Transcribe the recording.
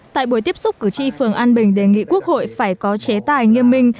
tại buổi tiếp xúc cử tri phường an bình đề nghị quốc hội phải có chế tài nghiêm minh